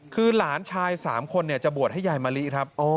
คือหลานชาย๓คนจะบวชให้ยายมะลิครับ